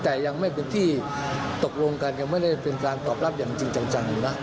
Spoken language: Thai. แต่ยังไม่เป็นที่ตกลงกันยังไม่ได้เป็นการตอบรับอย่างจริงจังนะ